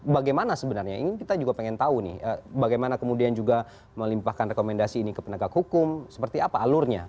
bagaimana sebenarnya kita juga pengen tahu nih bagaimana kemudian juga melimpahkan rekomendasi ini ke penegak hukum seperti apa alurnya